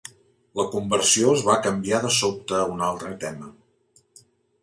La conversió es va canviar de sobte a un altre tema.